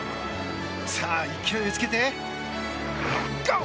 さあ、勢いをつけてゴー！